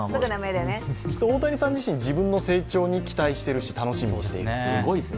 きっと大谷さん自身、自分の成長に期待しているし、楽しみにしていると思います。